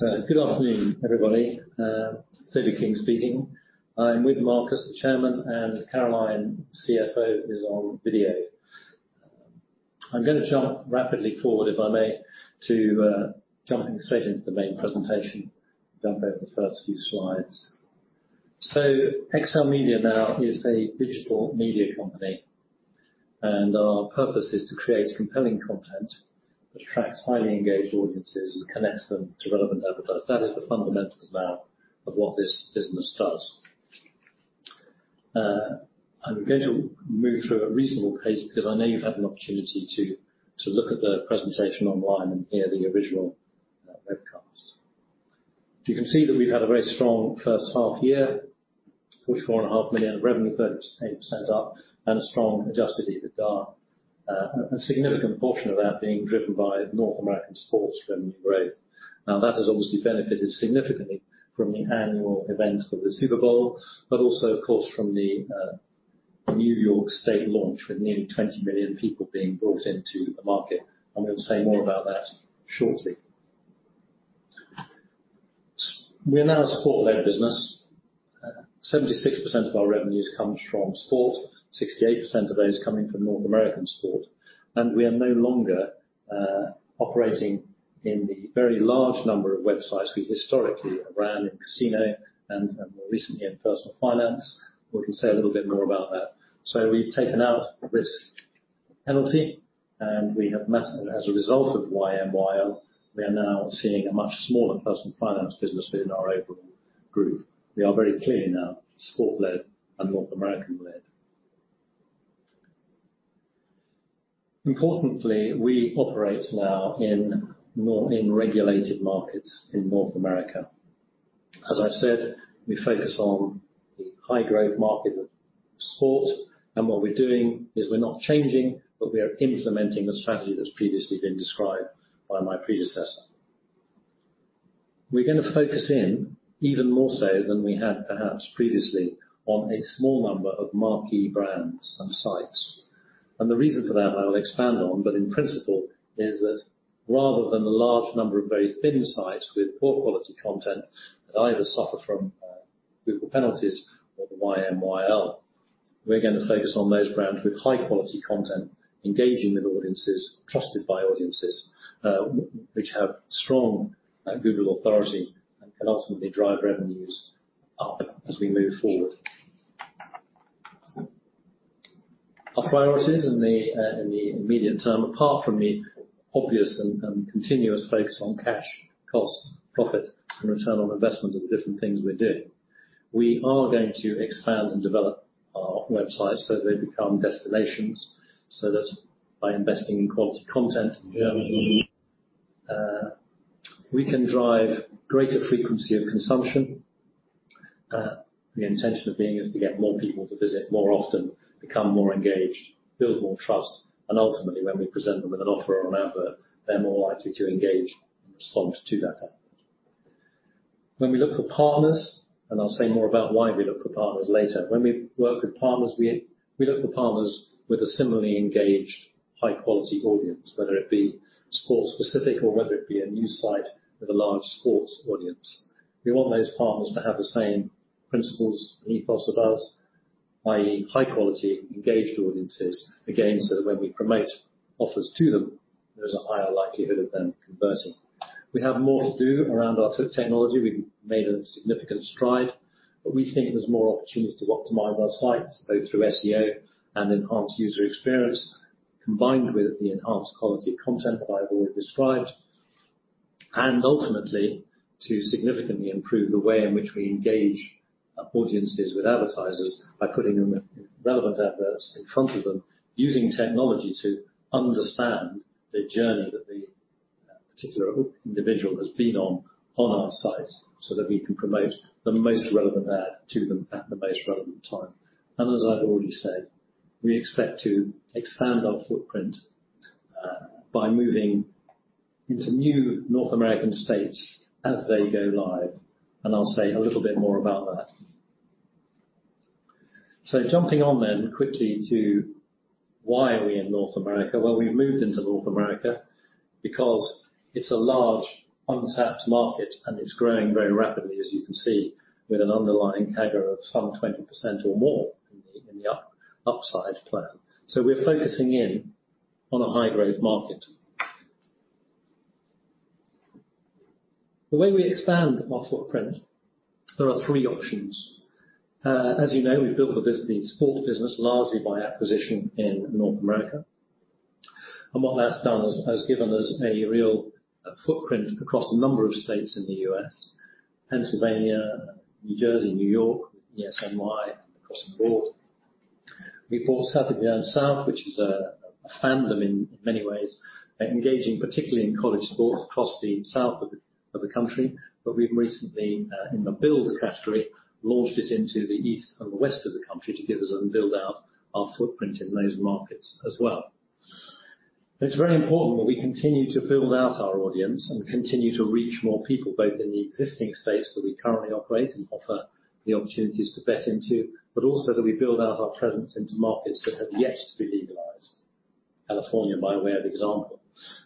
Good afternoon, everybody. David King speaking. I'm with Marcus, the Chairman, and Caroline, CFO, is on video. I'm going to jump rapidly forward, if I may, to jumping straight into the main presentation. Jump over the first few slides. So XLMedia now is a digital media company, and our purpose is to create compelling content that attracts highly engaged audiences and connects them to relevant advertisers. That is the fundamentals now of what this business does. I'm going to move through at a reasonable pace because I know you've had an opportunity to look at the presentation online and hear the original webcast. You can see that we've had a very strong first half year, $44.5 million in revenue, 38% up, and a strong adjusted EBITDA, a significant portion of that being driven by North American sports revenue growth. Now, that has obviously benefited significantly from the annual event of the Super Bowl, but also, of course, from the New York State launch with nearly 20 million people being brought into the market, and we'll say more about that shortly. We are now a sport-led business. 76% of our revenues come from sport, 68% of those coming from North American sport, and we are no longer operating in the very large number of websites we historically ran in casino and more recently in personal finance. We can say a little bit more about that, so we've taken out risk penalty, and we have met, as a result of YMYL, we are now seeing a much smaller personal finance business within our overall group. We are very clearly now sport-led and North American-led. Importantly, we operate now in regulated markets in North America. As I've said, we focus on the high-growth market of sports. And what we're doing is we're not changing, but we are implementing the strategy that's previously been described by my predecessor. We're going to focus in even more so than we had, perhaps, previously on a small number of marquee brands and sites. And the reason for that I'll expand on, but in principle, is that rather than a large number of very thin sites with poor quality content that either suffer from Google penalties or the YMYL, we're going to focus on those brands with high-quality content, engaging with audiences, trusted by audiences, which have strong Google authority and can ultimately drive revenues up as we move forward. Our priorities in the immediate term, apart from the obvious and continuous focus on cash, cost, profit, and return on investment of the different things we're doing, we are going to expand and develop our websites so they become destinations, so that by investing in quality content and revenue, we can drive greater frequency of consumption. The intention of being is to get more people to visit more often, become more engaged, build more trust, and ultimately, when we present them with an offer or an advert, they're more likely to engage and respond to that advert. When we look for partners, and I'll say more about why we look for partners later, when we work with partners, we look for partners with a similarly engaged, high-quality audience, whether it be sport-specific or whether it be a news site with a large sports audience. We want those partners to have the same principles and ethos of us, i.e., high-quality, engaged audiences, again, so that when we promote offers to them, there's a higher likelihood of them converting. We have more to do around our technology. We've made a significant stride, but we think there's more opportunity to optimize our sites, both through SEO and enhanced user experience, combined with the enhanced quality content that I've already described, and ultimately, to significantly improve the way in which we engage audiences with advertisers by putting relevant adverts in front of them, using technology to understand the journey that the particular individual has been on our sites, so that we can promote the most relevant ad to them at the most relevant time. And as I've already said, we expect to expand our footprint by moving into new North American states as they go live. I'll say a little bit more about that. Jumping on then quickly to why are we in North America? We've moved into North America because it's a large untapped market, and it's growing very rapidly, as you can see, with an underlying CAGR of some 20% or more in the upside plan. We're focusing in on a high-growth market. The way we expand our footprint, there are three options. As you know, we've built the sport business largely by acquisition in North America. What that's done is given us a real footprint across a number of states in the U.S.: Pennsylvania, New Jersey, New York, ESNY, across the board. We've bought Saturday Down South, which is a fandom in many ways, engaging particularly in college sports across the south of the country. But we've recently, in the build category, launched it into the east and the west of the country to give us and build out our footprint in those markets as well. It's very important that we continue to build out our audience and continue to reach more people, both in the existing states that we currently operate and offer the opportunities to bet into, but also that we build out our presence into markets that have yet to be legalized, California, by way of example.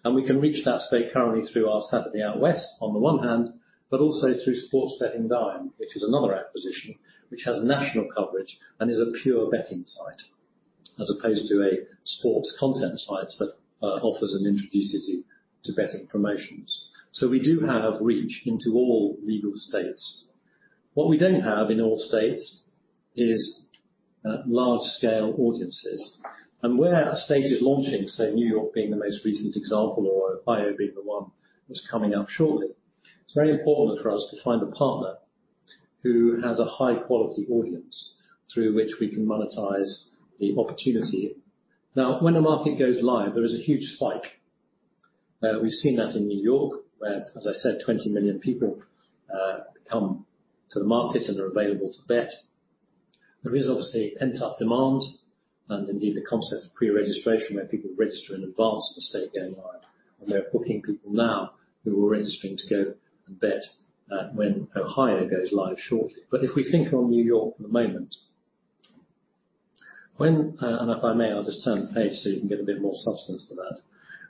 And we can reach that state currently through our Saturday Out West, on the one hand, but also through Sports Betting Dime, which is another acquisition, which has national coverage and is a pure betting site, as opposed to a sports content site that offers and introduces you to betting promotions. So we do have reach into all legal states. What we don't have in all states is large-scale audiences, and where a state is launching, say New York being the most recent example or Ohio being the one that's coming up shortly, it's very important for us to find a partner who has a high-quality audience through which we can monetize the opportunity. Now, when a market goes live, there is a huge spike. We've seen that in New York, where, as I said, 20 million people come to the market and are available to bet. There is obviously pent-up demand and indeed the concept of pre-registration where people register in advance of a state going live, and they're booking people now who are registering to go and bet when Ohio goes live shortly. But if we think on New York for the moment, and if I may, I'll just turn the page so you can get a bit more substance to that.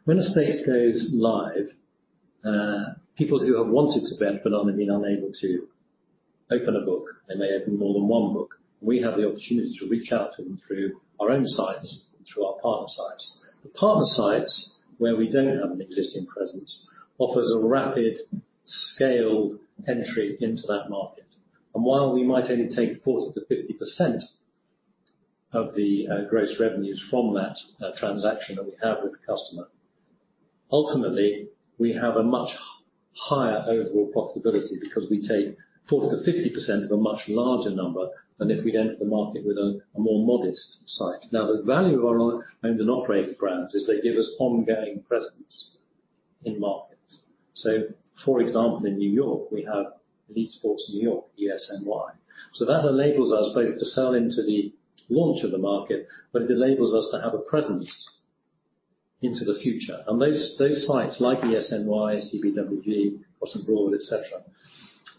When a state goes live, people who have wanted to bet but are, I mean, unable to open a book. They may open more than one book. We have the opportunity to reach out to them through our own sites, through our partner sites. The partner sites, where we don't have an existing presence, offer a rapid-scaled entry into that market. And while we might only take 40%-50% of the gross revenues from that transaction that we have with the customer, ultimately, we have a much higher overall profitability because we take 40%-50% of a much larger number than if we'd enter the market with a more modest site. Now, the value of our owned and operated brands is they give us ongoing presence in markets. So, for example, in New York, we have Elite Sports New York, ESNY. So that enables us both to sell into the launch of the market, but it enables us to have a presence into the future, and those sites, like ESNY, CBWG, Crossing Broad, etc.,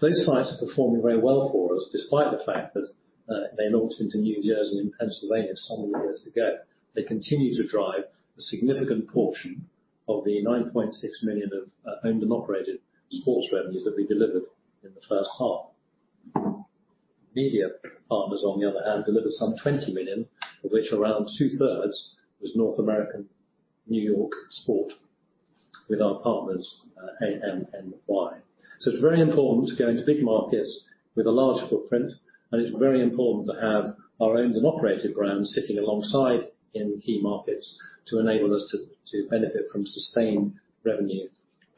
those sites are performing very well for us despite the fact that they launched into New Jersey and Pennsylvania some years ago. They continue to drive a significant portion of the $9.6 million of owned and operated sports revenues that we delivered in the first half. Media partners, on the other hand, delivered some $20 million, of which around two-thirds was North American New York sport with our partners AMNY. It's very important to go into big markets with a large footprint, and it's very important to have our owned and operated brands sitting alongside in key markets to enable us to benefit from sustained revenue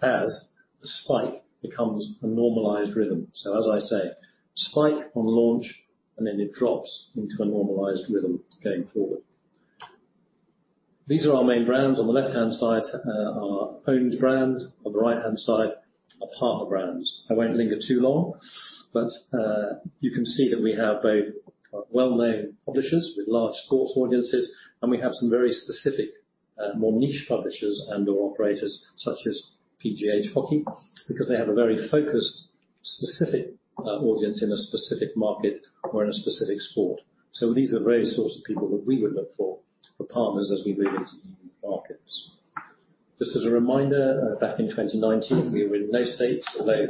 as the spike becomes a normalized rhythm. As I say, spike on launch, and then it drops into a normalized rhythm going forward. These are our main brands. On the left-hand side are owned brands. On the right-hand side are partner brands. I won't linger too long, but you can see that we have both well-known publishers with large sports audiences, and we have some very specific, more niche publishers and/or operators, such as PGH Hockey, because they have a very focused, specific audience in a specific market or in a specific sport. So these are various sorts of people that we would look for, for partners as we move into new markets. Just as a reminder, back in 2019, we were in no states, although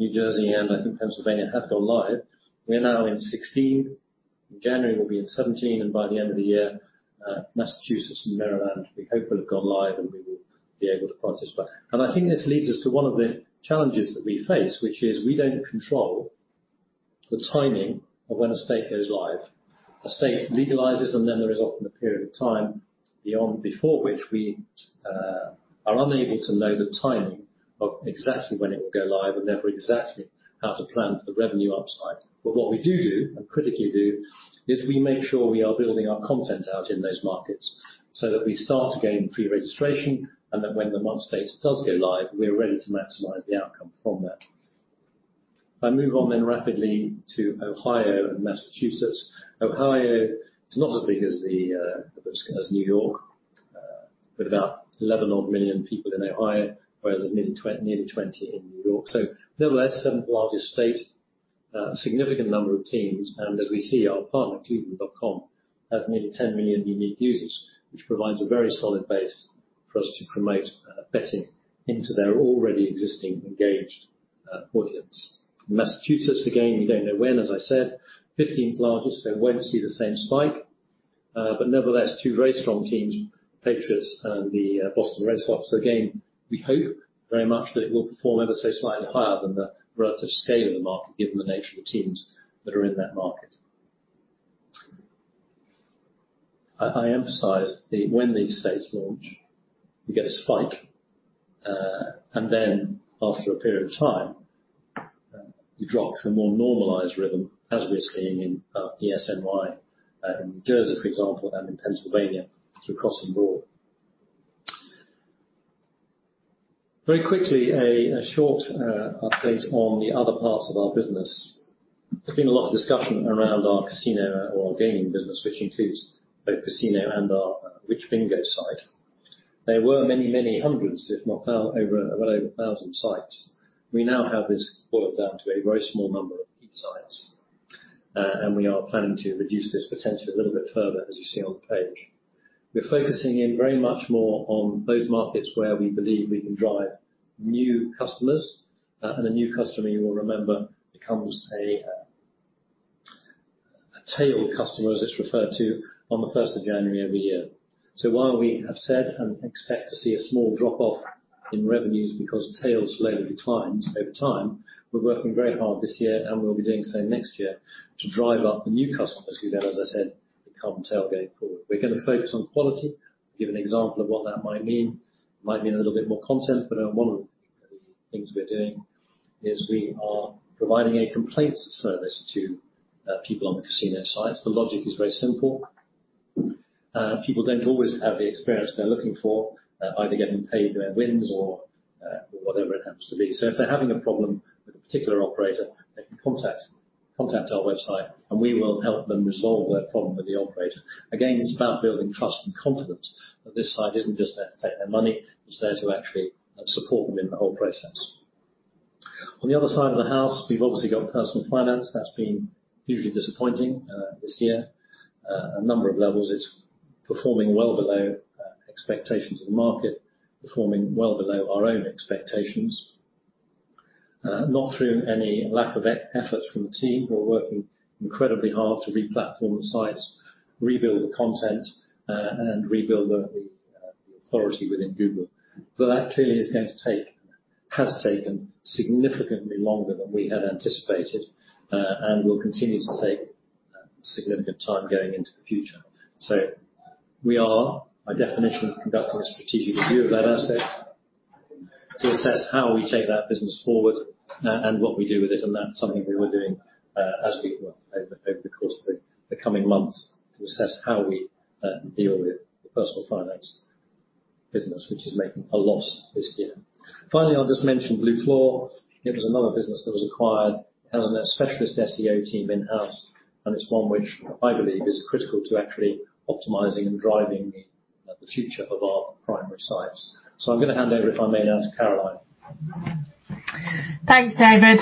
New Jersey and, I think, Pennsylvania had gone live. We're now in 16. In January, we'll be in 17, and by the end of the year, Massachusetts and Maryland, we hopefully have gone live, and we will be able to participate. And I think this leads us to one of the challenges that we face, which is we don't control the timing of when a state goes live. A state legalizes, and then there is often a period of time before which we are unable to know the timing of exactly when it will go live and therefore exactly how to plan for the revenue upside. But what we do do and critically do is we make sure we are building our content out in those markets so that we start to gain pre-registration and that when the month's date does go live, we're ready to maximize the outcome from that. If I move on then rapidly to Ohio and Massachusetts. Ohio is not as big as New York, with about 11 odd million people in Ohio, whereas nearly 20 in New York. So, nevertheless, seventh largest state, a significant number of teams, and as we see, our partner, Cleveland.com, has nearly 10 million unique users, which provides a very solid base for us to promote betting into their already existing engaged audience. Massachusetts, again, we don't know when, as I said, 15th largest, so won't see the same spike. But nevertheless, two very strong teams, Patriots and the Boston Red Sox. So, again, we hope very much that it will perform ever so slightly higher than the relative scale of the market, given the nature of the teams that are in that market. I emphasize that when these states launch, you get a spike, and then after a period of time, you drop to a more normalized rhythm, as we're seeing in ESNY in New Jersey, for example, and in Pennsylvania through Crossing Broad. Very quickly, a short update on the other parts of our business. There's been a lot of discussion around our casino or our gaming business, which includes both casino and our WhichBingo site. There were many, many hundreds, if not well over 1,000 sites. We now have this boiled down to a very small number of key sites, and we are planning to reduce this potentially a little bit further, as you see on the page. We're focusing in very much more on those markets where we believe we can drive new customers, and a new customer, you will remember, becomes a tail customer, as it's referred to, on the 1st of January every year, so while we have said and expect to see a small drop-off in revenues because tails slowly declined over time, we're working very hard this year, and we'll be doing so next year, to drive up the new customers who then, as I said, become tails going forward. We're going to focus on quality. I'll give an example of what that might mean. It might mean a little bit more content, but one of the things we're doing is we are providing a complaints service to people on the casino sites. The logic is very simple. People don't always have the experience they're looking for, either getting paid their wins or whatever it happens to be. So, if they're having a problem with a particular operator, they can contact our website, and we will help them resolve their problem with the operator. Again, it's about building trust and confidence that this site isn't just there to take their money. It's there to actually support them in the whole process. On the other side of the house, we've obviously got personal finance. That's been hugely disappointing this year. A number of levels. It's performing well below expectations of the market, performing well below our own expectations. Not through any lack of effort from the team. We're working incredibly hard to replatform the sites, rebuild the content, and rebuild the authority within Google. But that clearly is going to take, has taken, significantly longer than we had anticipated, and will continue to take significant time going into the future. So, we are, by definition, conducting a strategic review of that asset to assess how we take that business forward and what we do with it. And that's something we were doing as we were over the course of the coming months to assess how we deal with the personal finance business, which is making a loss this year. Finally, I'll just mention Blueclaw. It was another business that was acquired. It has a specialist SEO team in-house, and it's one which I believe is critical to actually optimizing and driving the future of our primary sites. So, I'm going to hand over, if I may, now to Caroline. Thanks, David.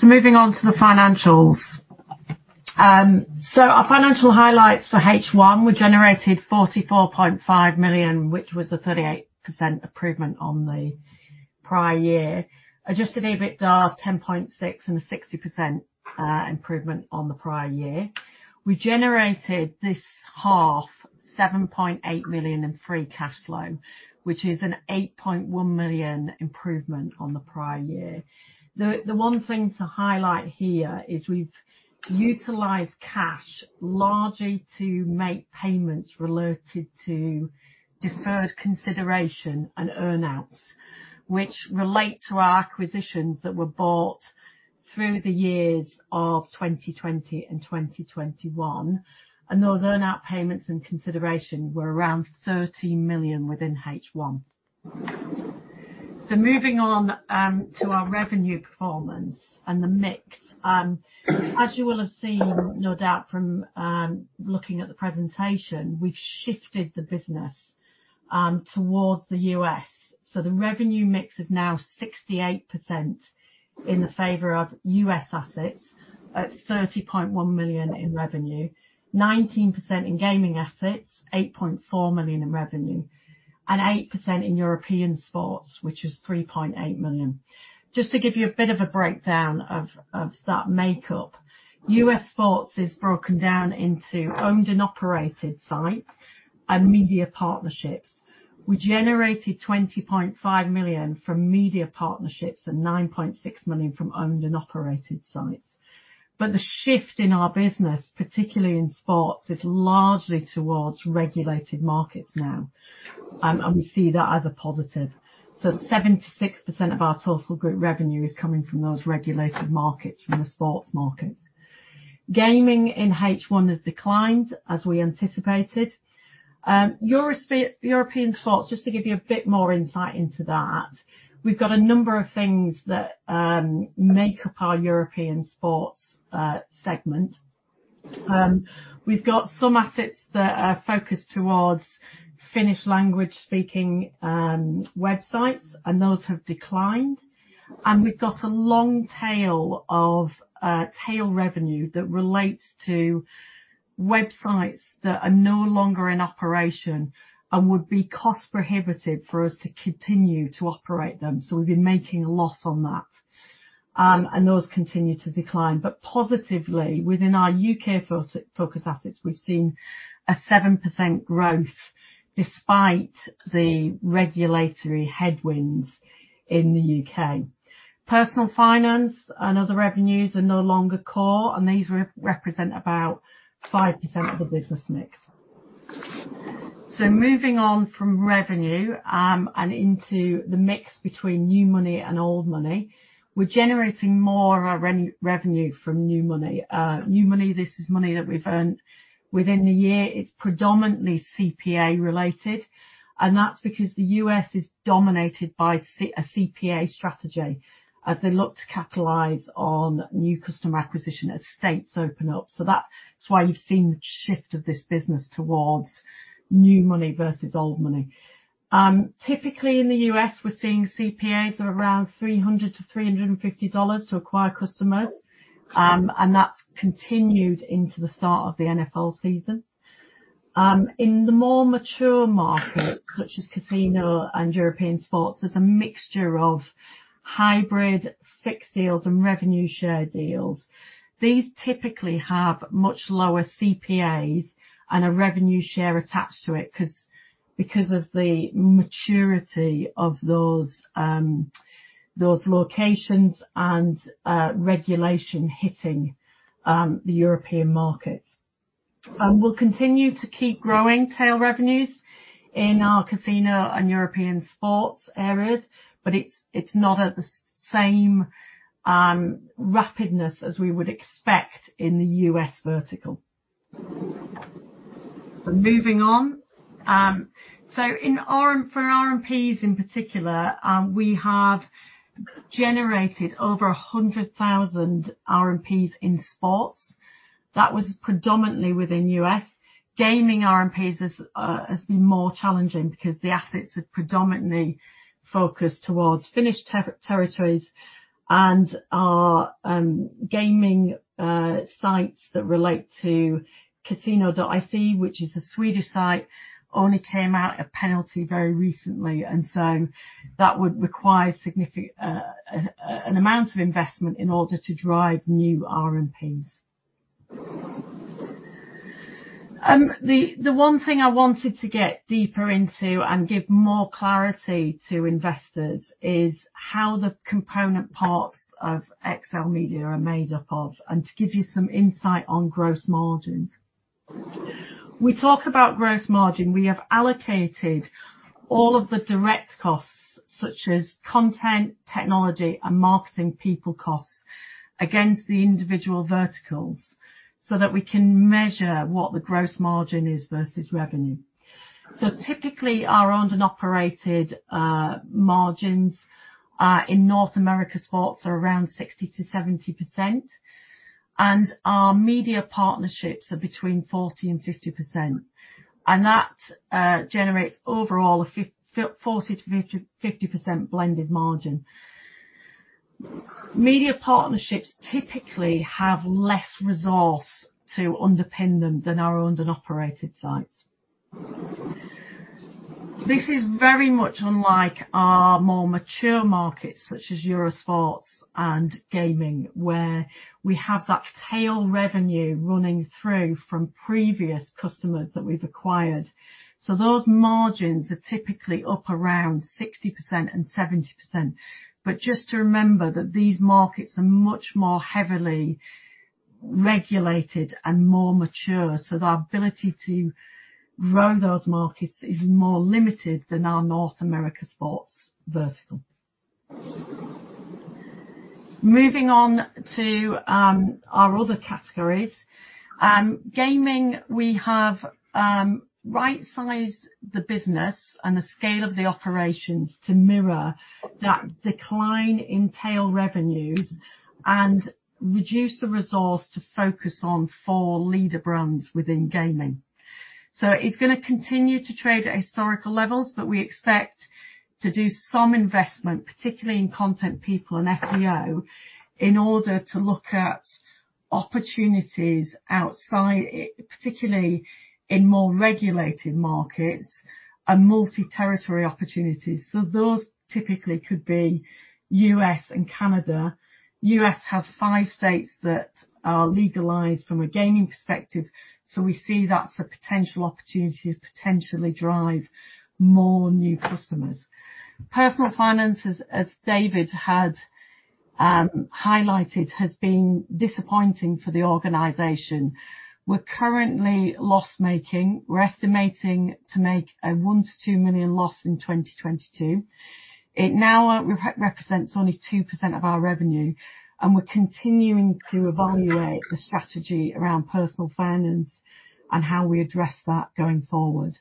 So, moving on to the financials. Our financial highlights for H1 generated $44.5 million, which was the 38% improvement on the prior year, Adjusted EBITDA of $10.6 million and a 60% improvement on the prior year. We generated this half $7.8 million in free cash flow, which is an $8.1 million improvement on the prior year. The one thing to highlight here is we've utilized cash largely to make payments related to deferred consideration and earnouts, which relate to our acquisitions that were bought through the years of 2020 and 2021. And those earnout payments and consideration were around $30 million within H1. Moving on to our revenue performance and the mix, as you will have seen, no doubt, from looking at the presentation, we've shifted the business towards the U.S. So, the revenue mix is now 68% in the favor of U.S. assets, at $30.1 million in revenue, 19% in gaming assets, $8.4 million in revenue, and 8% in European sports, which is $3.8 million. Just to give you a bit of a breakdown of that makeup, U.S. sports is broken down into owned and operated sites and media partnerships. We generated $20.5 million from media partnerships and $9.6 million from owned and operated sites. But the shift in our business, particularly in sports, is largely towards regulated markets now, and we see that as a positive. So, 76% of our total group revenue is coming from those regulated markets, from the sports markets. Gaming in H1 has declined, as we anticipated. European sports, just to give you a bit more insight into that, we've got a number of things that make up our European sports segment. We've got some assets that are focused towards Finnish language speaking websites, and those have declined, and we've got a long tail of tail revenue that relates to websites that are no longer in operation and would be cost-prohibitive for us to continue to operate them. So, we've been making a loss on that, and those continue to decline, but positively, within our U.K.-focused assets, we've seen a 7% growth despite the regulatory headwinds in the U.K. Personal finance and other revenues are no longer core, and these represent about 5% of the business mix, so moving on from revenue and into the mix between new money and old money, we're generating more revenue from new money. New money, this is money that we've earned within the year. It's predominantly CPA-related, and that's because the U.S. is dominated by a CPA strategy as they look to capitalize on new customer acquisition as states open up. So, that's why you've seen the shift of this business towards new money versus old money. Typically, in the U.S., we're seeing CPAs of around $300-$350 to acquire customers, and that's continued into the start of the NFL season. In the more mature markets, such as casino and European sports, there's a mixture of hybrid fixed deals and revenue share deals. These typically have much lower CPAs and a revenue share attached to it because of the maturity of those locations and regulation hitting the European markets. We'll continue to keep growing tail revenues in our casino and European sports areas, but it's not at the same rapidness as we would expect in the U.S. vertical. So, moving on. So, for RMPs in particular, we have generated over 100,000 RMPs in sports. That was predominantly within U.S. Gaming RMPs has been more challenging because the assets are predominantly focused towards Finnish territories and our gaming sites that relate to Casino.se, which is a Swedish site, only came out a penalty very recently. And so, that would require an amount of investment in order to drive new RMPs. The one thing I wanted to get deeper into and give more clarity to investors is how the component parts of XLMedia are made up of and to give you some insight on gross margins. We talk about gross margin. We have allocated all of the direct costs, such as content, technology, and marketing people costs, against the individual verticals so that we can measure what the gross margin is versus revenue. Typically, our owned and operated margins in North America sports are around 60%-70%, and our media partnerships are between 40% and 50%. That generates overall a 40%-50% blended margin. Media partnerships typically have less resource to underpin them than our owned and operated sites. This is very much unlike our more mature markets, such as European sports and gaming, where we have that tail revenue running through from previous customers that we've acquired. Those margins are typically up around 60% and 70%. Just to remember that these markets are much more heavily regulated and more mature, so our ability to grow those markets is more limited than our North America sports vertical. Moving on to our other categories. Gaming, we have right-sized the business and the scale of the operations to mirror that decline in tail revenues and reduce the resource to focus on four leader brands within gaming. So, it's going to continue to trade at historical levels, but we expect to do some investment, particularly in content people and SEO, in order to look at opportunities outside, particularly in more regulated markets and multi-territory opportunities. So, those typically could be U.S. and Canada. U.S. has five states that are legalized from a gaming perspective, so we see that's a potential opportunity to potentially drive more new customers. Personal finance, as David had highlighted, has been disappointing for the organization. We're currently loss-making. We're estimating to make a $1-2 million loss in 2022. It now represents only 2% of our revenue, and we're continuing to evaluate the strategy around personal finance and how we address that going forward.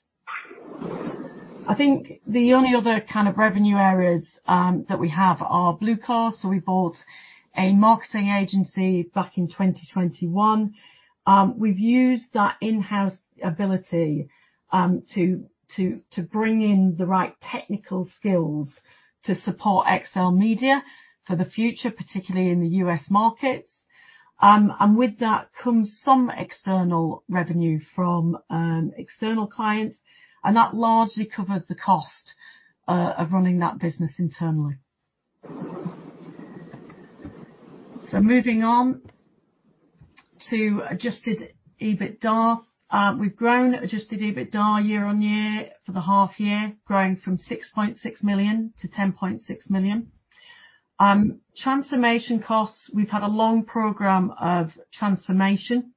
I think the only other kind of revenue areas that we have are Blueclaw. So, we bought a marketing agency back in 2021. We've used that in-house ability to bring in the right technical skills to support XLMedia for the future, particularly in the U.S. markets. And with that comes some external revenue from external clients, and that largely covers the cost of running that business internally. So, moving on to Adjusted EBITDA. We've grown Adjusted EBITDA year on year for the half year, growing from $6.6 million to $10.6 million. Transformation costs. We've had a long program of transformation.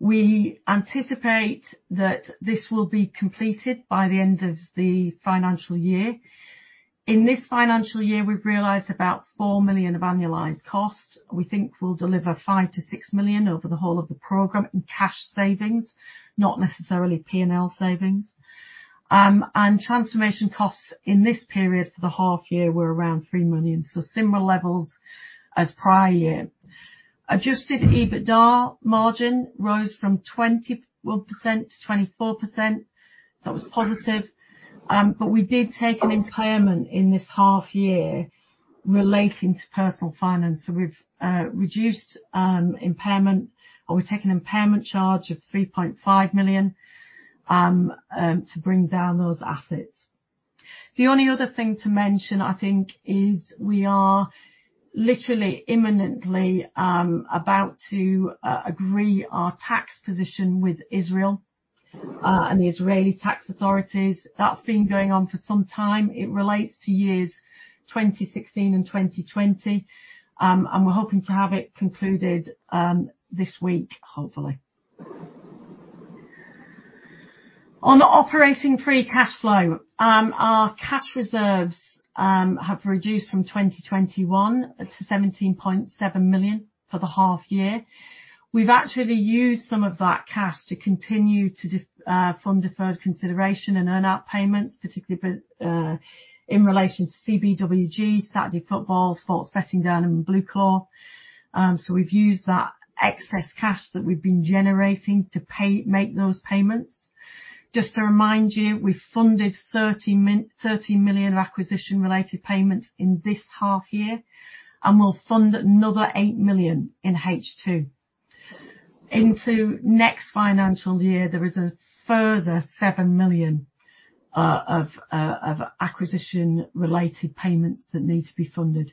We anticipate that this will be completed by the end of the financial year. In this financial year, we've realized about $4 million of annualized costs. We think we'll deliver $5 million-$6 million over the whole of the program in cash savings, not necessarily P&L savings. Transformation costs in this period for the half year were around $3 million, so similar levels as prior year. Adjusted EBITDA margin rose from 21%-24%. It was positive. We did take an impairment in this half year relating to personal finance. We've reduced impairment, or we've taken an impairment charge of $3.5 million to bring down those assets. The only other thing to mention, I think, is we are literally imminently about to agree our tax position with Israel and the Israeli Tax Authorities. That's been going on for some time. It relates to years 2016 and 2020, and we're hoping to have it concluded this week, hopefully. On operating free cash flow, our cash reserves have reduced from 2021 to $17.7 million for the half year. We've actually used some of that cash to continue to fund deferred consideration and earnout payments, particularly in relation to CBWG, Saturday Football, Sports Betting Dime, and Blueclaw. So, we've used that excess cash that we've been generating to make those payments. Just to remind you, we funded $30 million of acquisition-related payments in this half year, and we'll fund another $8 million in H2. Into next financial year, there is a further $7 million of acquisition-related payments that need to be funded,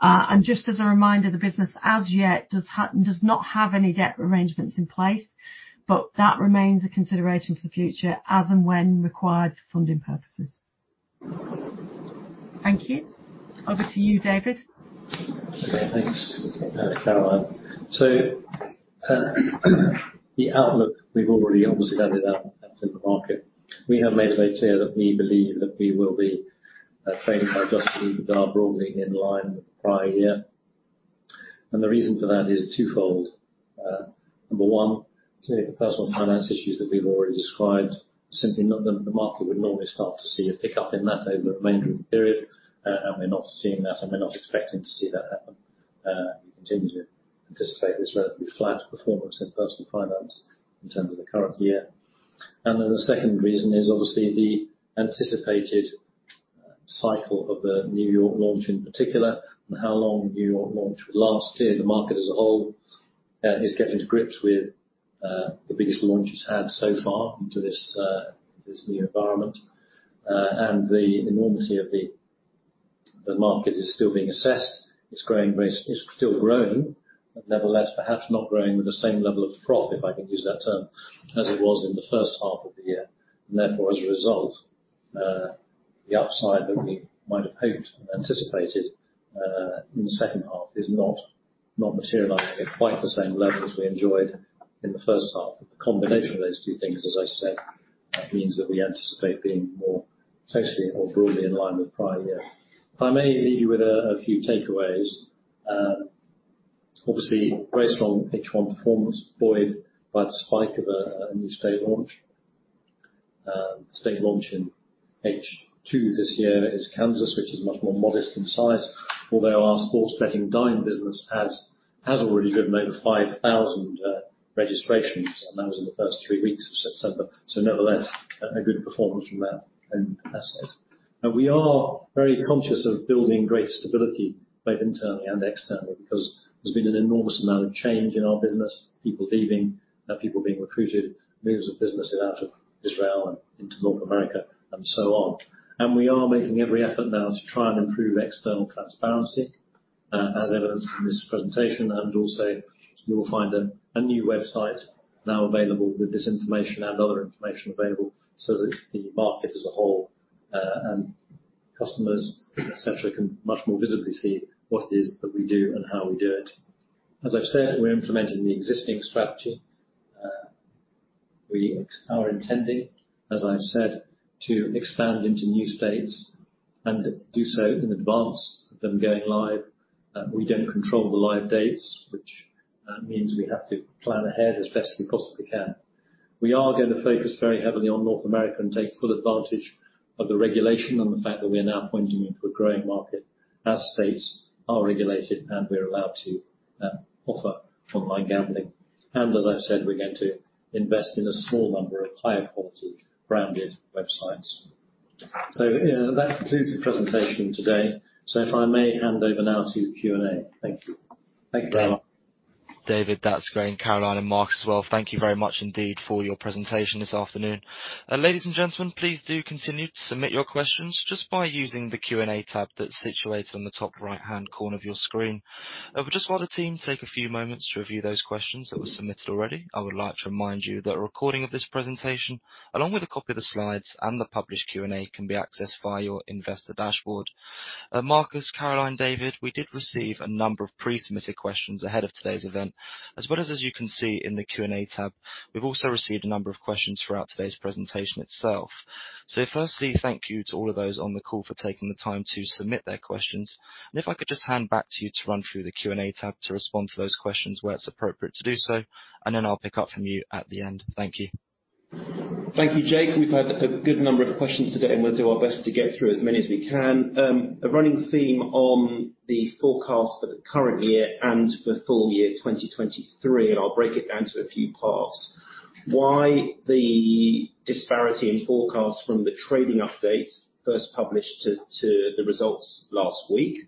and just as a reminder, the business as yet does not have any debt arrangements in place, but that remains a consideration for the future as and when required for funding purposes. Thank you. Over to you, David. Okay, thanks, Caroline. The outlook we've already obviously had is out in the market. We have made a very clear that we believe that we will be trading by Adjusted EBITDA broadly in line with the prior year. The reason for that is twofold. Number one, the personal finance issues that we've already described, simply the market would normally start to see a pickup in that over the remainder of the period, and we're not seeing that, and we're not expecting to see that happen. We continue to anticipate this relatively flat performance in personal finance in terms of the current year. The second reason is obviously the anticipated cycle of the New York launch in particular and how long New York launch will last. Clearly, the market as a whole is getting to grips with the biggest launches had so far into this new environment. And the enormity of the market is still being assessed. It's growing very, it's still growing, but nevertheless, perhaps not growing with the same level of profit, if I can use that term, as it was in the first half of the year. And therefore, as a result, the combination of those two things, as I said, means that we anticipate being more totally or broadly in line with prior year. I may leave you with a few takeaways. Obviously, very strong H1 performance, buoyed by the spike of a new state launch. state launch in H2 this year is Kansas, which is much more modest in size, although our Sports Betting Dime business has already driven over 5,000 registrations, and that was in the first three weeks of September, so nevertheless, a good performance from that asset. We are very conscious of building greater stability, both internally and externally, because there's been an enormous amount of change in our business: people leaving, people being recruited, moves of businesses out of Israel and into North America, and so on, and we are making every effort now to try and improve external transparency, as evidenced in this presentation, and also, you will find a new website now available with this information and other information available so that the market as a whole and customers, etc., can much more visibly see what it is that we do and how we do it. As I've said, we're implementing the existing strategy. We are intending, as I've said, to expand into new states and do so in advance of them going live. We don't control the live dates, which means we have to plan ahead as best we possibly can. We are going to focus very heavily on North America and take full advantage of the regulation and the fact that we are now pointing into a growing market as states are regulated and we're allowed to offer online gambling. And as I've said, we're going to invest in a small number of higher quality branded websites. So, that concludes the presentation today. So, if I may hand over now to Q&A. Thank you. Thank you very much. David, that's great. Caroline and Marcus as well. Thank you very much indeed for your presentation this afternoon. Ladies and gentlemen, please do continue to submit your questions just by using the Q&A tab that's situated on the top right-hand corner of your screen. I would just want the team to take a few moments to review those questions that were submitted already. I would like to remind you that a recording of this presentation, along with a copy of the slides and the published Q&A, can be accessed via your investor dashboard. Marcus, Caroline, David, we did receive a number of pre-submitted questions ahead of today's event, as well as, as you can see in the Q&A tab. We've also received a number of questions throughout today's presentation itself. So, firstly, thank you to all of those on the call for taking the time to submit their questions. If I could just hand back to you to run through the Q&A tab to respond to those questions where it's appropriate to do so, and then I'll pick up from you at the end. Thank you. Thank you, Jake. We've had a good number of questions today, and we'll do our best to get through as many as we can. A running theme on the forecast for the current year and for full year 2023, and I'll break it down to a few parts. Why the disparity in forecast from the trading update first published to the results last week,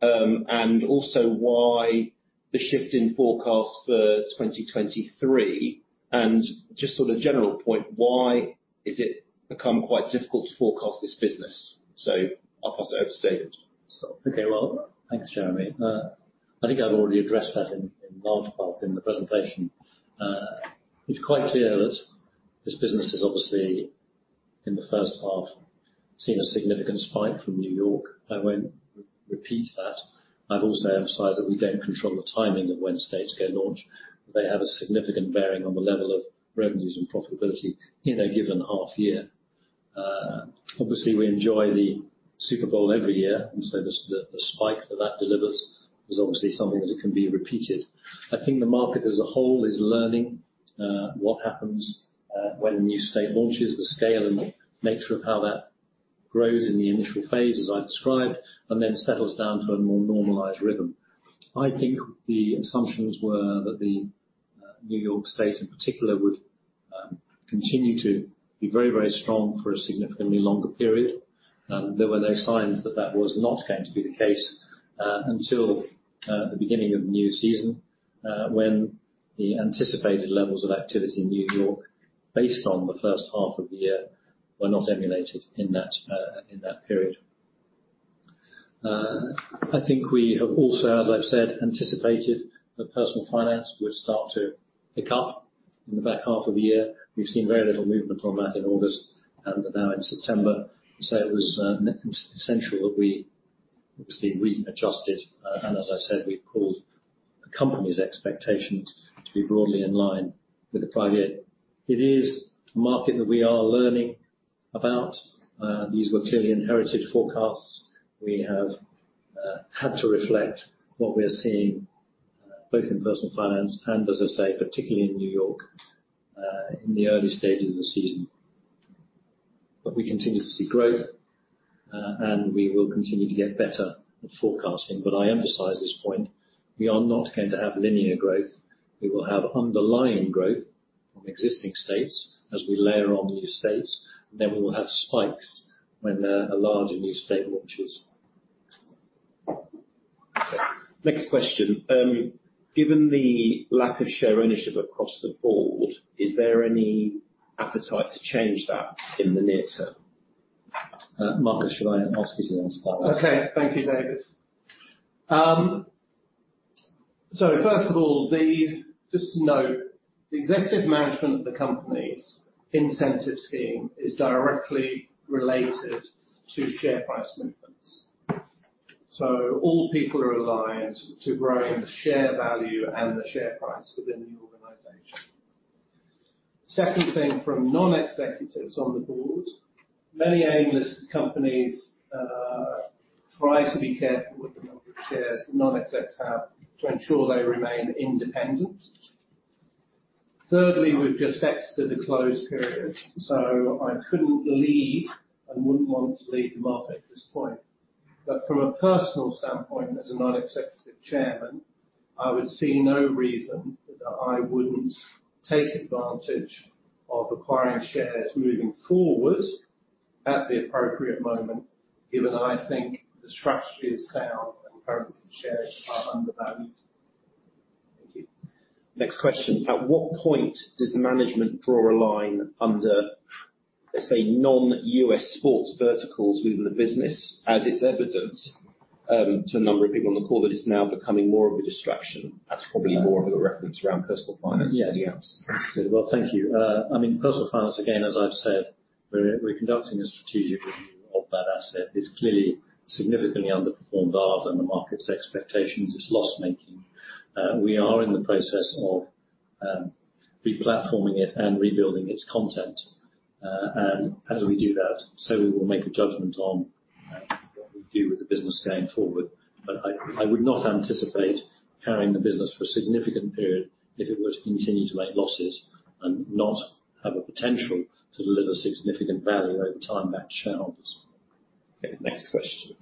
and also why the shift in forecast for 2023, and just sort of general point, why has it become quite difficult to forecast this business? I'll pass it over to David. Okay, well, thanks, Jeremy. I think I've already addressed that in large part in the presentation. It's quite clear that this business has obviously, in the first half, seen a significant spike from New York. I won't repeat that. I've also emphasized that we don't control the timing of when states go live. They have a significant bearing on the level of revenues and profitability in a given half year. Obviously, we enjoy the Super Bowl every year, and so the spike that that delivers is obviously something that can be repeated. I think the market as a whole is learning what happens when a new state launches, the scale and the nature of how that grows in the initial phase, as I described, and then settles down to a more normalized rhythm. I think the assumptions were that the New York State in particular would continue to be very, very strong for a significantly longer period. There were no signs that that was not going to be the case until the beginning of the new season, when the anticipated levels of activity in New York, based on the first half of the year, were not emulated in that period. I think we have also, as I've said, anticipated that personal finance would start to pick up in the back half of the year. We've seen very little movement on that in August and now in September. So, it was essential that we obviously readjusted, and as I said, we've pulled the company's expectations to be broadly in line with the prior year. It is a market that we are learning about. These were clearly inherited forecasts. We have had to reflect what we are seeing both in personal finance and, as I say, particularly in New York, in the early stages of the season. But we continue to see growth, and we will continue to get better at forecasting. But I emphasize this point. We are not going to have linear growth. We will have underlying growth from existing states as we layer on new states, and then we will have spikes when a larger new state launches. Next question. Given the lack of share ownership across the board, is there any appetite to change that in the near term? Marcus, should I ask you to answer that one? Okay, thank you, David. So, first of all, just to note, the executive management of the company's incentive scheme is directly related to share price movements. So, all people are aligned to growing the share value and the share price within t he organization. Second thing, from non-executives on the board, many aimless companies try to be careful with the number of shares non-execs have to ensure they remain independent. Thirdly, we've just exited a closed period, so I couldn't lead and wouldn't want to lead the market at this point. But from a personal standpoint, as a Non-Executive Chairman, I would see no reason that I wouldn't take advantage of acquiring shares moving forward at the appropriate moment, given I think the strategy is sound and currently shares are undervalued. Thank you. Next question. At what point does management draw a line under, let's say, non-U.S. sports verticals within the business, as it's evident to a number of people on the call that it's now becoming more of a distraction? That's probably more of a reference around personal finance. Yes. Well, thank you. I mean, personal finance, again, as I've said, we're conducting a strategic review of that asset. It's clearly significantly underperformed rather than the market's expectations. It's loss-making. We are in the process of replatforming it and rebuilding its content. And as we do that, so we will make a judgment on what we do with the business going forward. But I would not anticipate carrying the business for a significant period if it were to continue to make losses and not have a potential to deliver significant value over time back to shareholders. Okay, next question.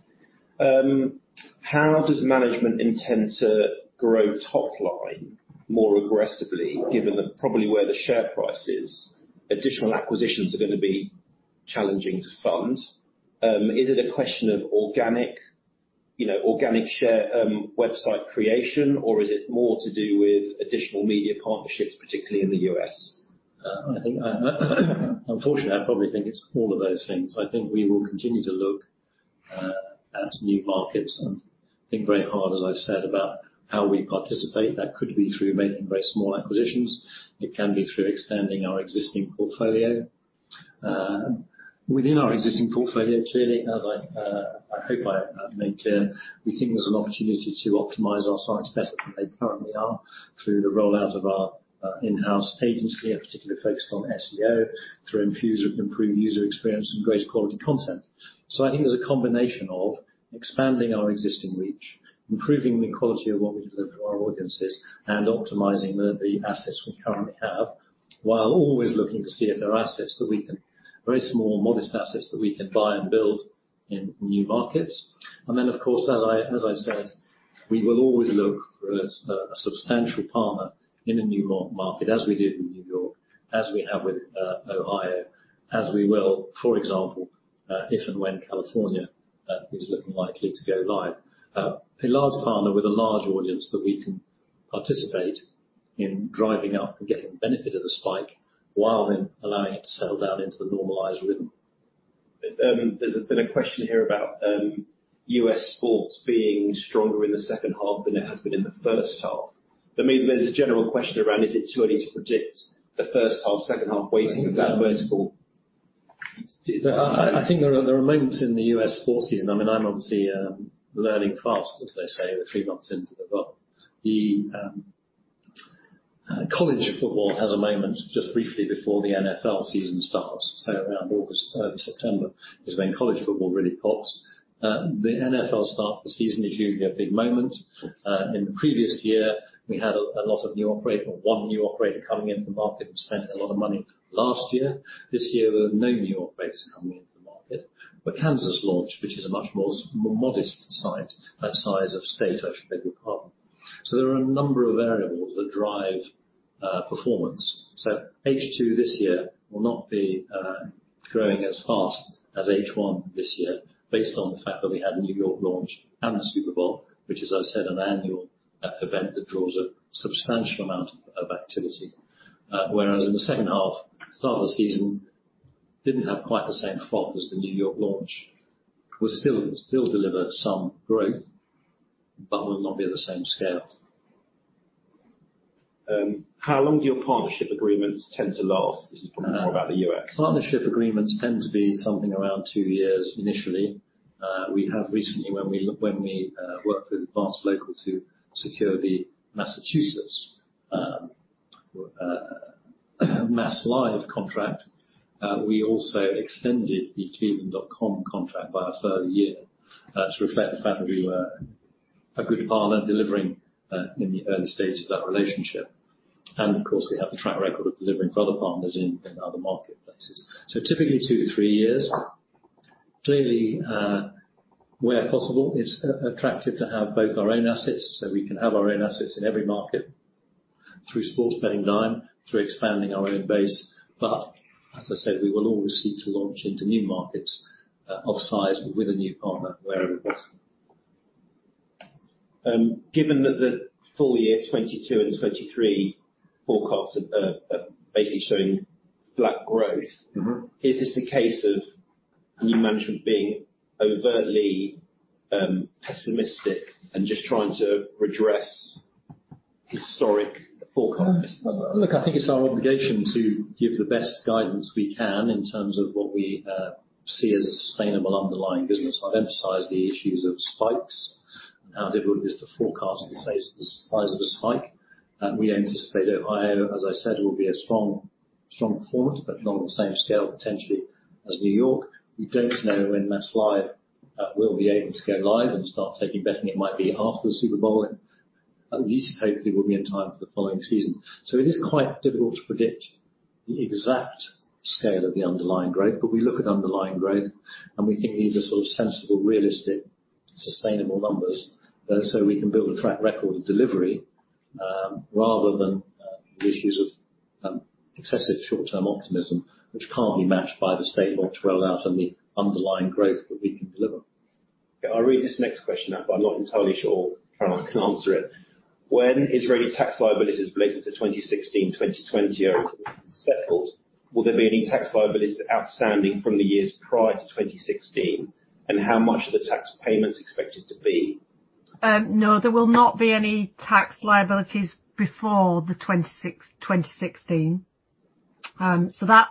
How does management intend to grow top line more aggressively, given that probably where the share price is, additional acquisitions are going to be challenging to fund? Is it a question of organic SEO website creation, or is it more to do with additional media partnerships, particularly in the U.S.? Unfortunately, I probably think it's all of those things. I think we will continue to look at new markets and think very hard, as I've said, about how we participate. That could be through making very small acquisitions. It can be through extending our existing portfolio. Within our existing portfolio, clearly, as I hope I made clear, we think there's an opportunity to optimize our sites better than they currently are through the rollout of our in-house agency, particularly focused on SEO, through Infuser to improve user experience and greater quality content. So, I think there's a combination of expanding our existing reach, improving the quality of what we deliver to our audiences, and optimizing the assets we currently have, while always looking to see if there are assets that we can, very small, modest assets that we can buy and build in new markets. And then, of course, as I said, we will always look for a substantial partner in a new market, as we do with New York, as we have with Ohio, as we will, for example, if and when California is looking likely to go live. A large partner with a large audience that we can participate in driving up and getting the benefit of the spike while then allowing it to settle down into the normalized rhythm. There's been a question here about U.S. sports being stronger in the second half than it has been in the first half. There's a general question around, is it too early to predict the first half, second half weighting of that vertical? I think there are moments in the U.S. sports season. I mean, I'm obviously learning fast, as they say, three months into the run. The college football has a moment just briefly before the NFL season starts. So, around August, early September is when college football really pops. The NFL start of the season is usually a big moment. In the previous year, we had a lot of new operators, one new operator coming into the market and spending a lot of money last year. This year, there are no new operators coming into the market. But Kansas launched, which is a much more modest-sized state, that size of state, I should be able to predict. So, there are a number of variables that drive performance. So, H2 this year will not be growing as fast as H1 this year, based on the fact that we had New York launch and the Super Bowl, which, as I said, is an annual event that draws a substantial amount of activity. Whereas in the second half, start of the season didn't have quite the same fall as the New York launch. We'll still deliver some growth, but will not be at the same scale. How long do your partnership agreements tend to last? This is probably more about the U.S. Partnership agreements tend to be something around two years initially. We have recently, when we worked with Advance Local to secure the Massachusetts MassLive contract, we also extended the Cleveland.com contract by a further year to reflect the fact that we were a good partner delivering in the early stages of that relationship. And, of course, we have the track record of delivering for other partners in other marketplaces. So, typically two to three years. Clearly, where possible, it's attractive to have both our own assets, so we can have our own assets in every market through Sports Betting Dime, through expanding our own base. But, as I said, we will always seek to launch into new markets of size with a new partner wherever possible. Given that the full year 2022 and 2023 forecasts are basically showing flat growth, is this a case of new management being overtly pessimistic and just trying to redress historic forecast misses? Look, I think it's our obligation to give the best guidance we can in terms of what we see as a sustainable underlying business. I've emphasized the issues of spikes, how difficult it is to forecast the size of a spike. We anticipate Ohio, as I said, will be a strong performance, but not on the same scale potentially as New York. We don't know when MassLive will be able to go live and start taking betting. It might be after the Super Bowl. At least, hopefully, we'll be in time for the following season, so it is quite difficult to predict the exact scale of the underlying growth, but we look at underlying growth, and we think these are sort of sensible, realistic, sustainable numbers so we can build a track record of delivery rather than the issues of excessive short-term optimism, which can't be matched by the state law to roll out on the underlying growth that we can deliver. I'll read this next question out, but I'm not entirely sure Caroline can answer it. When are Israeli Tax liabilities related to 2016-2020 settled? Will there be any Tax liabilities outstanding from the years prior to 2016? And how much are the tax payments expected to be? No, there will not be any Tax liabilities before the 2016. So, that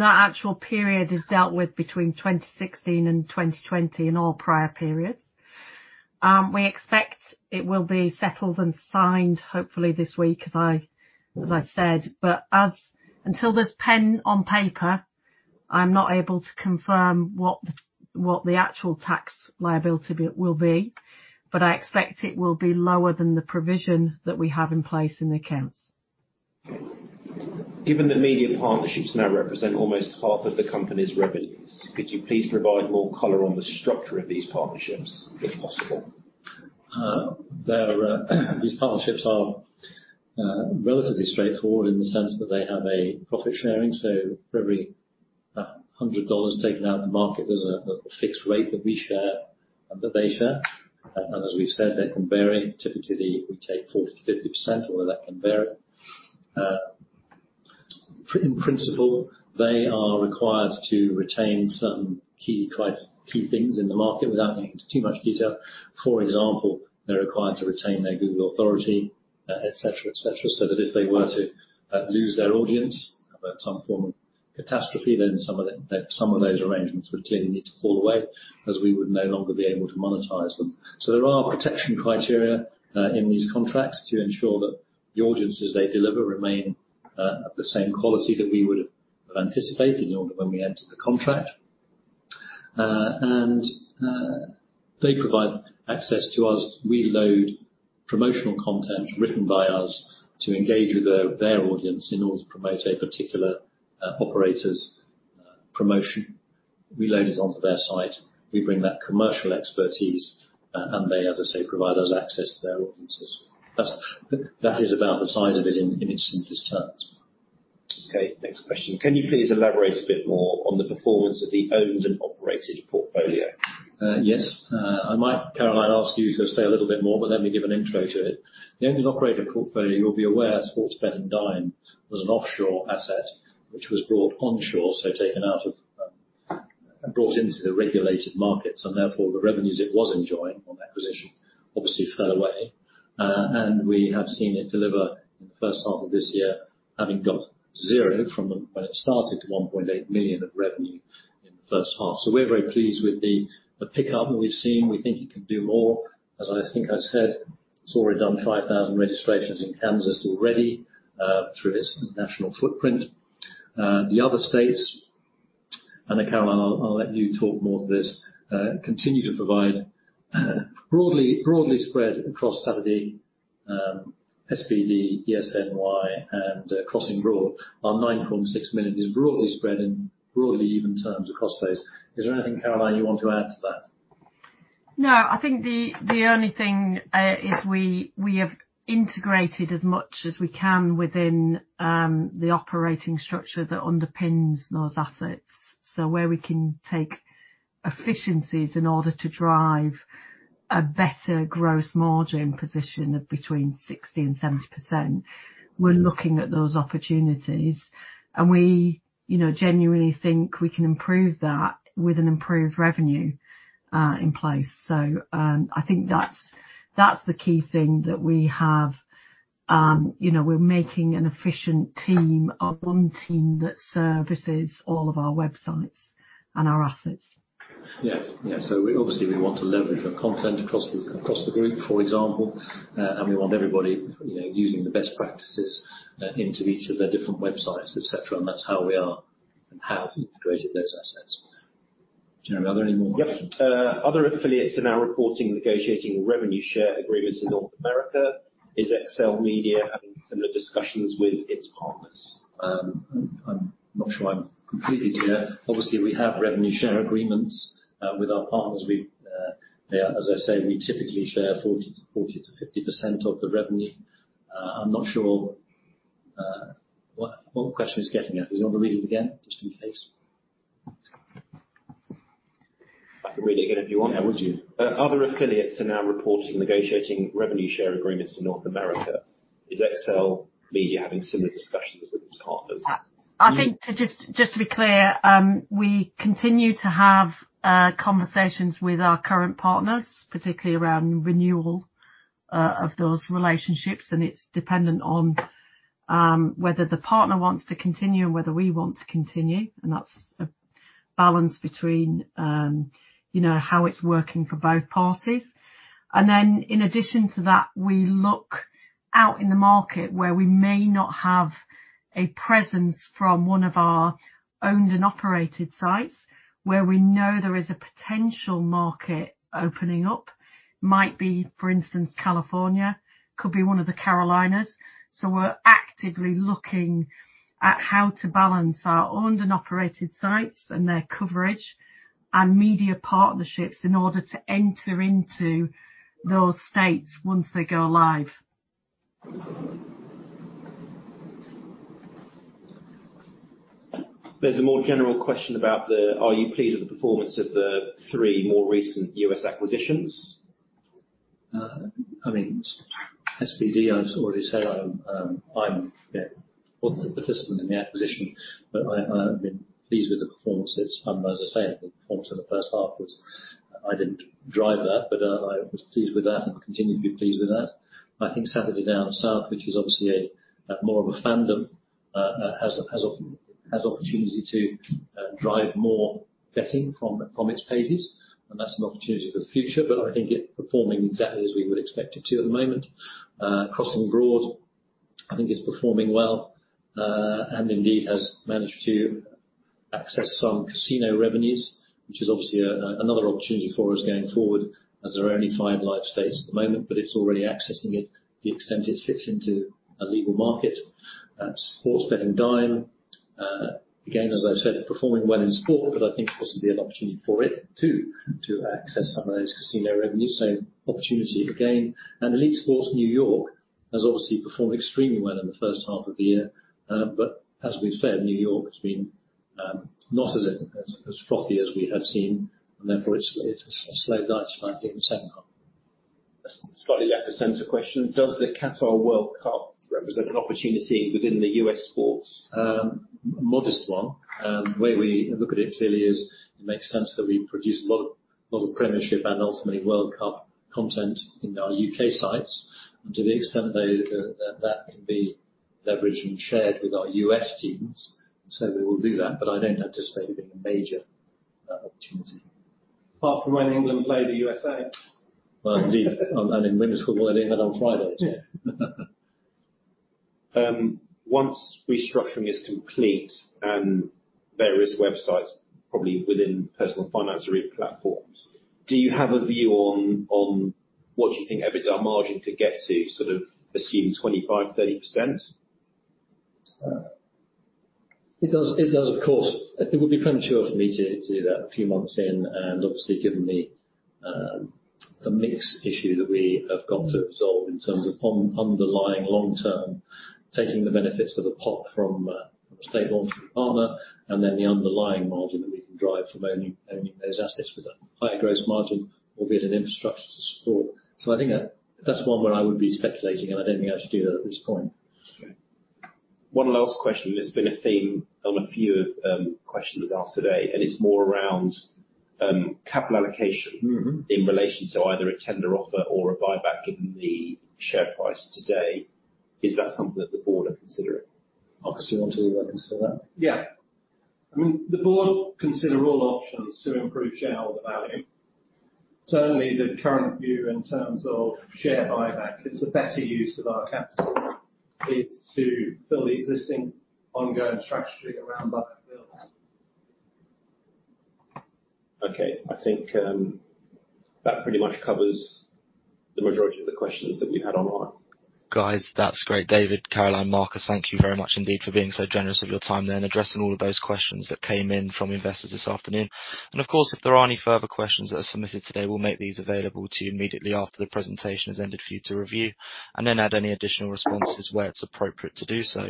actual period is dealt with between 2016 and 2020 and all prior periods. We expect it will be settled and signed, hopefully, this week, as I said. But until there's pen on paper, I'm not able to confirm what the actual Tax liability will be, but I expect it will be lower than the provision that we have in place in the accounts. Given that media partnerships now represent almost half of the company's revenues, could you please provide more color on the structure of these partnerships, if possible? These partnerships are relatively straightforward in the sense that they have a profit sharing. So, for every $100 taken out of the market, there's a fixed rate that we share and that they share. And as we've said, they can vary. Typically, we take 40%-50%, although that can vary. In principle, they are required to retain some key things in the market without getting into too much detail. For example, they're required to retain their Google authority, etc., etc., so that if they were to lose their audience about some form of catastrophe, then some of those arrangements would clearly need to fall away as we would no longer be able to monetize them. So, there are protection criteria in these contracts to ensure that the audiences they deliver remain at the same quality that we would have anticipated in order when we entered the contract, and they provide access to us. We load promotional content written by us to engage with their audience in order to promote a particular operator's promotion. We load it onto their site. We bring that commercial expertise, and they, as I say, provide us access to their audiences. That is about the size of it in its simplest terms. Okay, next question. Can you please elaborate a bit more on the performance of the owned and operated portfolio? Yes. I might, Caroline, ask you to say a little bit more, but let me give an intro to it. The owned and operated portfolio, you'll be aware, Sports Betting Dime was an offshore asset, which was brought onshore, so taken out of and brought into the regulated markets. And therefore, the revenues it was enjoying on acquisition obviously fell away. And we have seen it deliver in the first half of this year, having got zero from when it started to $1.8 million of revenue in the first half. So, we're very pleased with the pickup we've seen. We think it can do more. As I think I said, it's already done 5,000 registrations in Kansas already through its national footprint. The other states, and Caroline, I'll let you talk more to this, continue to provide broadly spread across Saturday Down South, SBD, ESNY, and Crossing Broad are 9.6 million. It's broadly spread in broadly even terms across those. Is there anything, Caroline, you want to add to that? No, I think the only thing is we have integrated as much as we can within the operating structure that underpins those assets. So, where we can take efficiencies in order to drive a better gross margin position of between 60% and 70%, we're looking at those opportunities. And we genuinely think we can improve that with an improved revenue in place. So, I think that's the key thing that we have. We're making an efficient team of one team that services all of our websites and our assets. Yes. Yeah. So, obviously, we want to leverage the content across the group, for example, and we want everybody using the best practices into each of their different websites, etc., and that's how we are and have integrated those assets. Jeremy, are there any more? Yes. Other affiliates are now reporting and negotiating revenue share agreements in North America. Is XLMedia having similar discussions with its partners? I'm not sure I'm completely clear. Obviously, we have revenue share agreements with our partners. As I say, we typically share 40%-50% of the revenue. I'm not sure what question it's getting at. Would you want to read it again, just in case? I can read it again if you want. Yeah, would you? Other affiliates are now reporting and negotiating revenue share agreements in North America. Is XLMedia having similar discussions with its partners? I think, just to be clear, we continue to have conversations with our current partners, particularly around renewal of those relationships, and it's dependent on whether the partner wants to continue and whether we want to continue, and that's a balance between how it's working for both parties, and then, in addition to that, we look out in the market where we may not have a presence from one of our owned and operated sites where we know there is a potential market opening up. It might be, for instance, California. It could be one of the Carolinas, so, we're actively looking at how to balance our owned and operated sites and their coverage and media partnerships in order to enter into those states once they go live. There's a more general question about the, are you pleased with the performance of the three more recent U.S. acquisitions? I mean, SBD, I've already said I'm a participant in the acquisition, but I've been pleased with the performance. And, as I say, the performance of the first half was. I didn't drive that, but I was pleased with that and continue to be pleased with that. I think Saturday Down South, which is obviously more of a fandom, has an opportunity to drive more betting from its pages. And that's an opportunity for the future, but I think it's performing exactly as we would expect it to at the moment. Crossing Broad, I think it's performing well and indeed has managed to access some casino revenues, which is obviously another opportunity for us going forward, as there are only five live states at the moment, but it's already accessing it to the extent it sits into a legal market. Sports Betting Dime, again, as I've said, performing well in sport, but I think there'll be an opportunity for it too to access some of those casino revenues. So, opportunity again. And Elite Sports New York has obviously performed extremely well in the first half of the year. But, as we've said, New York has been not as frothy as we had seen, and therefore it's slowed down slightly in the second half. Slightly left of center question. Does the Qatar World Cup represent an opportunity within the U.S. sports? Modest one. The way we look at it clearly is it makes sense that we produce a lot of Premiership and ultimately World Cup content in our UK sites. And to the extent that that can be leveraged and shared with our US teams, so we will do that. But I don't anticipate it being a major opportunity. Apart from when England played the USA. Well, indeed. And in women's football, I didn't get on Friday, so. Once restructuring is complete and various websites probably within personal finance or even platforms, do you have a view on what you think EBITDA margin could get to, sort of assume 25%-30%? It does, of course. It would be premature for me to do that a few months in, and obviously, given the mix issue that we have got to resolve in terms of underlying long-term, taking the benefits of the pop from a state launching partner and then the underlying margin that we can drive from owning those assets with a higher gross margin, albeit an infrastructure to support. So, I think that's one where I would be speculating, and I don't think I should do that at this point. One last question. It's been a theme on a few of the questions asked today, and it's more around capital allocation in relation to either a tender offer or a buyback given the share price today. Is that something that the board are considering? Marcus, do you want to consider that? Yeah. I mean, the board considers all options to improve shareholder value. Certainly, the current view in terms of share buyback, it's a better use of our capital to fill the existing ongoing strategy around buy-and-build. Okay. I think that pretty much covers the majority of the questions that we've had online. Guys, that's great. David, Caroline, Marcus, thank you very much indeed for being so generous of your time there and addressing all of those questions that came in from investors this afternoon. Of course, if there are any further questions that are submitted today, we'll make these available to you immediately after the presentation has ended for you to review and then add any additional responses where it's appropriate to do so.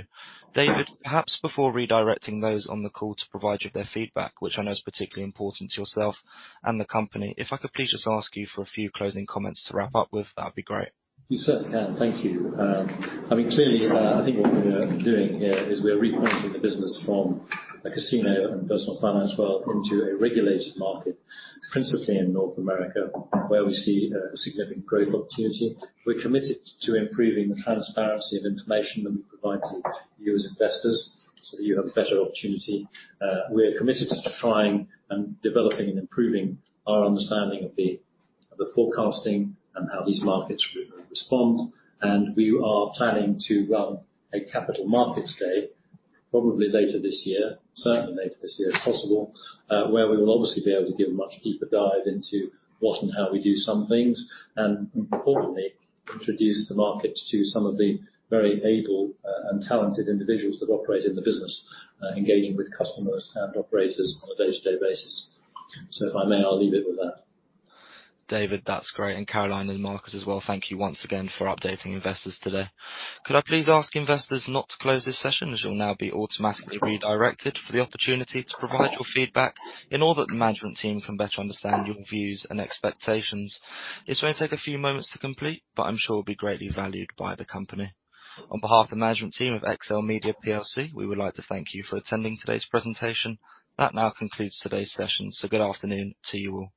David, perhaps before redirecting those on the call to provide you with their feedback, which I know is particularly important to yourself and the company, if I could please just ask you for a few closing comments to wrap up with, that would be great. You certainly can. Thank you. I mean, clearly, I think what we're doing here is we're repointing the business from a casino and personal finance world into a regulated market, principally in North America, where we see a significant growth opportunity. We're committed to improving the transparency of information that we provide to you as investors so that you have a better opportunity. We're committed to trying and developing and improving our understanding of the forecasting and how these markets respond. And we are planning to run a Capital Markets Day probably later this year, certainly later this year if possible, where we will obviously be able to give a much deeper dive into what and how we do some things and, importantly, introduce the market to some of the very able and talented individuals that operate in the business, engaging with customers and operators on a day-to-day basis. So, if I may, I'll leave it with that. David, that's great. And Caroline and Marcus as well, thank you once again for updating investors today. Could I please ask investors not to close this session as you'll now be automatically redirected for the opportunity to provide your feedback in order that the management team can better understand your views and expectations? It'll only take a few moments to complete, but I'm sure it'll be greatly valued by the company. On behalf of the management team of XLMedia PLC, we would like to thank you for attending today's presentation. That now concludes today's session, so good afternoon to you all.